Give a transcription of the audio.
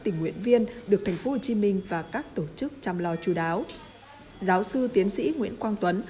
tình nguyện viên được tp hcm và các tổ chức chăm lo chú đáo giáo sư tiến sĩ nguyễn quang tuấn